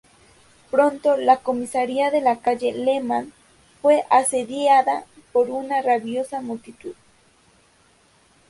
Pronto la comisaria de la calle Leman fue asediada por una rabiosa multitud.